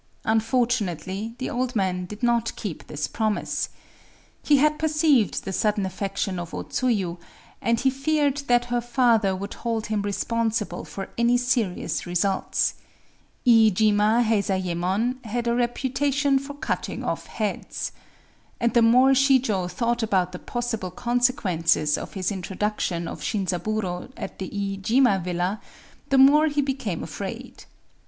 Unfortunately the old man did not keep this promise. He had perceived the sudden affection of O Tsuyu; and he feared that her father would hold him responsible for any serious results. Iijima Heizayémon had a reputation for cutting off heads. And the more Shijō thought about the possible consequences of his introduction of Shinzaburō at the Iijima villa, the more he became afraid.